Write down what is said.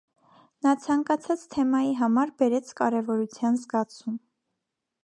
Նա ցանկացած թեմայի համար բերեց կարևորության զգացում։